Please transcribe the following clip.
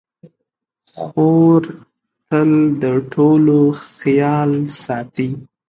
خور تل د ټولو خیال ساتي.